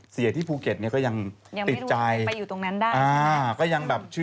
เสียที่ภูเก็ตเนี่ยก็ยังติดใจยังไม่รู้ไปอยู่ตรงนั้นได้